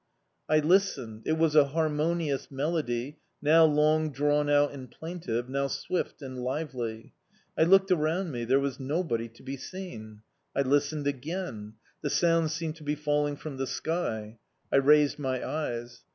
I listened; it was a harmonious melody now long drawnout and plaintive, now swift and lively. I looked around me there was nobody to be seen. I listened again the sounds seemed to be falling from the sky. I raised my eyes.